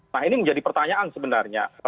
nah ini menjadi pertanyaan sebenarnya